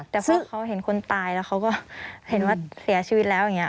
แต่คือเขาเห็นคนตายแล้วเขาก็เห็นว่าเสียชีวิตแล้วอย่างนี้